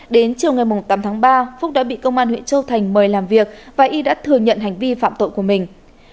đến chiều ngày tám tháng ba phúc đã bị công an huyện châu thành mời làm việc và y đã thừa nhận hành vi phạm tội của mình